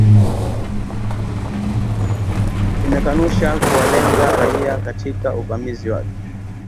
Imekanusha kuwalenga raia katika uvamizi wake